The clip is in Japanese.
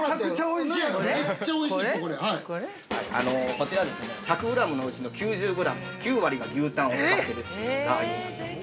◆こちらは１００グラムのうちの９０グラム、９割が牛タンを使っているっていうラー油なんですね。